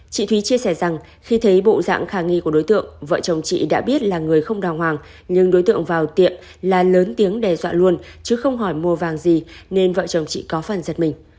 chị thúy chia sẻ rằng khi thấy bộ dạng khả nghi của đối tượng vợ chồng chị đã biết là người không đàng hoàng nhưng đối tượng vào tiệm là lớn tiếng đe dọa luôn chứ không hỏi mua vàng gì nên vợ chồng chị có phần giật mình